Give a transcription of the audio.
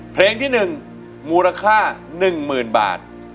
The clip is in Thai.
เพลงที่๑มูลค่า๑๐๐๐บาท